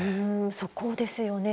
そこですよね。